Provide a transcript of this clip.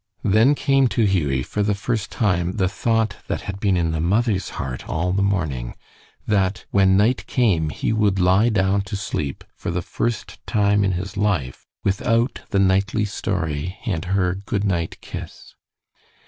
Then came to Hughie, for the first time, the thought that had been in the mother's heart all the morning, that when night came he would lie down to sleep, for the first time in his life, without the nightly story and her good night kiss.